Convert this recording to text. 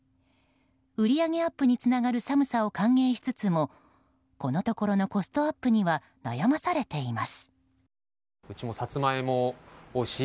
売り上げアップにつながる寒さを歓迎しつつもこのところのコストアップには悩まされています。